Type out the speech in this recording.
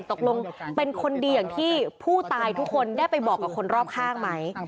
ตกลงเป็นคนดีอย่างที่ผู้ตายทุกคนได้ไปบอกกับคนรอบข้างไหม